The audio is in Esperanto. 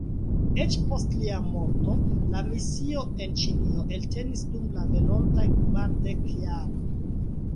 Eĉ post lia morto, la misio en Ĉinio eltenis dum la venontaj kvardek jaroj.